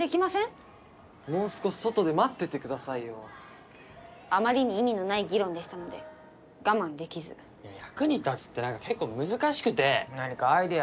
もう少し外で待っててくださいよあまりに意味のない議論でしたので我慢できず役に立つってなんか結構難しくて何かアイデアありませんか？